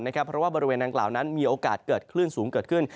เพราะว่าบริเวณดังกล่าวนั้นมีโอกาสเกิดคลื่นสูงเกิดขึ้น